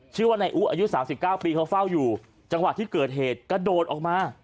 ชื่อว่านายอุอายุ๓๙ปีเขาเฝ้าอยู่จังหวะที่เกิดเหตุกระโดดออกมา